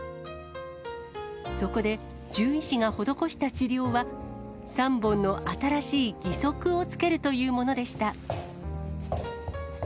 そこで、獣医師が施した治療は、３本の新しい義足をつけるというものでした。